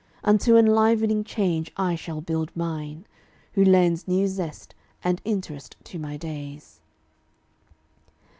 Unto enlivening Change I shall build mine, Who lends new zest and interest to my days.